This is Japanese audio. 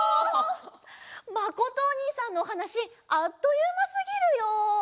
まことおにいさんのおはなしあっというますぎるよ！